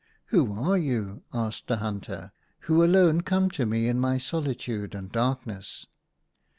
" Who are you," asked the hunter, " who alone come to me in my solitude and darkness